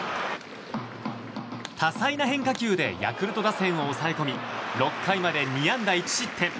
多彩な変化球でヤクルト打線を抑え込み６回まで２安打１失点。